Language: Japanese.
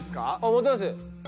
持てます。